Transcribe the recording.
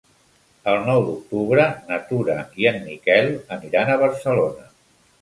El nou d'octubre na Tura i en Miquel aniran a Barcelona.